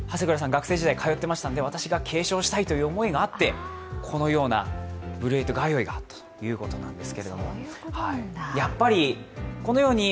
学生時代、通ってましたので私が継承したいという思いがあってこのようなブルーエイト通いがあったということです。